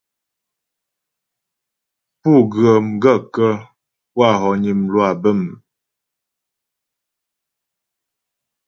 Pú ghə̀ m gaə̂kə́ pú a hɔgnə mlwâ bə̂m ?